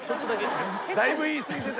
だいぶ言い過ぎてたよ。